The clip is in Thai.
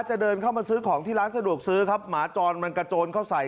จะเดินเข้ามาซื้อของที่ร้านสะดวกซื้อครับหมาจรมันกระโจนเข้าใส่